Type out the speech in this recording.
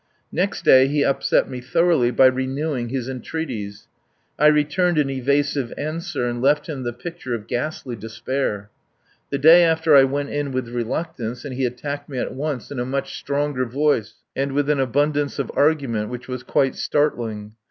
Next day he upset me thoroughly by renewing his entreaties. I returned an evasive answer, and left him the picture of ghastly despair. The day after I went in with reluctance, and he attacked me at once in a much stronger voice and with an abundance of argument which was quite startling.